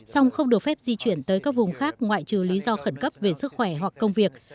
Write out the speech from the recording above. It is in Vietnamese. song không được phép di chuyển tới các vùng khác ngoại trừ lý do khẩn cấp về sức khỏe hoặc công việc